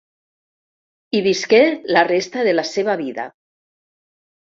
Hi visqué la resta de la seva vida.